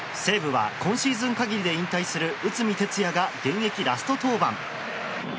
西武は、今シーズン限りで引退する内海哲也が現役ラスト登板。